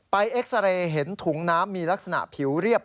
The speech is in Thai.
เอ็กซาเรย์เห็นถุงน้ำมีลักษณะผิวเรียบ